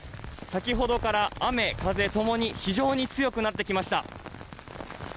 先ほどから雨風とともに非常に強くなってきました。